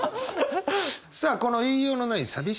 さあこの言いようのない寂しさ